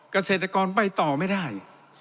เกษตรกรไปต่อไม่ได้